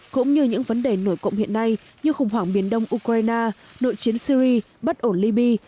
cũng như những vấn đề nổi cộng hiện nay như khủng hoảng miền đông ukraine nội chiến syri bất ổn liby